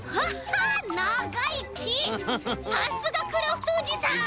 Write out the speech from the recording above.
さすがクラフトおじさん！